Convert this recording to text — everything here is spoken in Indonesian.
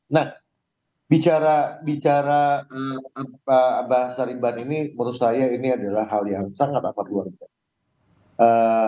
nah bicara pak abah sariban ini menurut saya ini adalah hal yang sangat amat luar biasa